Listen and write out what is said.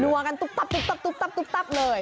นัวกันตุ๊บเลย